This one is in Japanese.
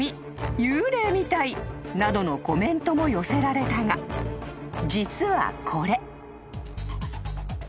［などのコメントも寄せられたが実はこれ］